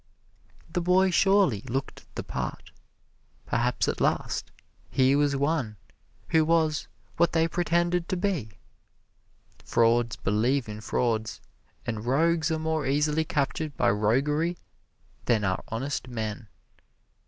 The boy surely looked the part. Perhaps, at last, here was one who was what they pretended to be! Frauds believe in frauds, and rogues are more easily captured by roguery than are honest men.